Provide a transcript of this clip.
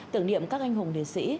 tưởng niệm các anh hùng liệt sĩ